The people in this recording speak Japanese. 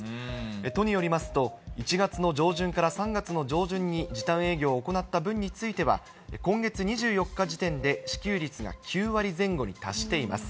都によりますと、１月の上旬から３月の上旬に時短営業を行った分については、今月２４日時点で、支給率が９割前後に達しています。